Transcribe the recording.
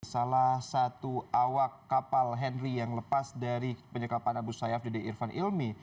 salah satu awak kapal henry yang lepas dari penyekapan abu sayyaf dede irfan ilmi